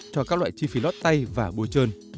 cho các loại chi phí lót tay và bùa chơn